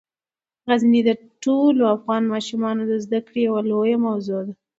غزني د ټولو افغان ماشومانو د زده کړې یوه لویه موضوع ده.